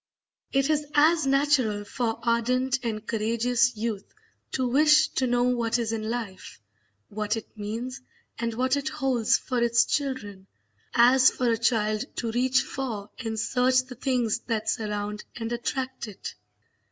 It is as natural for ardent and courageous youth to wish to know what is in life, what it means, and what it holds for its children, as for a child to reach for and search the things that surround and attract it.